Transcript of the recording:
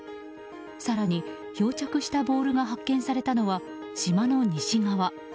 更に、漂着したボールが発見されたのは島の西側。